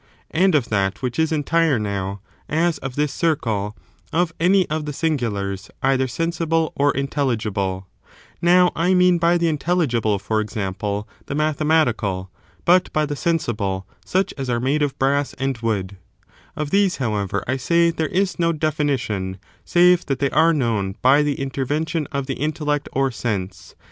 And of that which is entire now, as of this cirde, — of any of the singulars, either sensible or intel ligible,— (now, I mean by the intelligible, for example, the mathematical, but by the sensible such as are made of brass and wood,) of these, however, I say there is no definition, save that they are known by the intervention^ of the intellect or sense.